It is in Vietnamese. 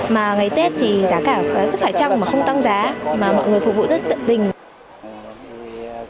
mà ngày tết thì giá cả rất phải trăng mà không tăng giá mà mọi người phục vụ rất tận tình